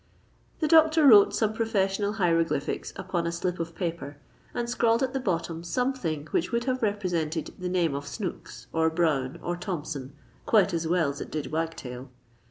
The doctor wrote some professional hieroglyphics upon a slip of paper, and scrawled at the bottom something which would have represented the name of Snooks, or Brown, or Thompson, quite as well as it did Wagtail.